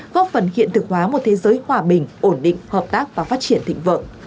góp phần hiện thực hóa một thế giới hòa bình ổn định hợp tác và phát triển thịnh vượng